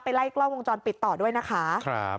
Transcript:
ไล่กล้องวงจรปิดต่อด้วยนะคะ